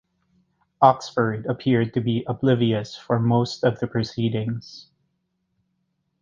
Oxford appeared to be oblivious for most of the proceedings.